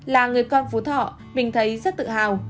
là người con phú thọ mình thấy rất tự hào